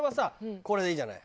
これでいいじゃない？